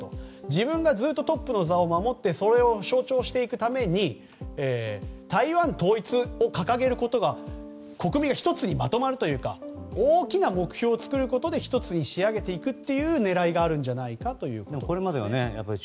自分がずっとトップの座を守ってそれを象徴していくために台湾統一を掲げることは国民が１つにまとまるというか大きな目標を作ることで１つに仕上げるという狙いがあるんじゃないかということです。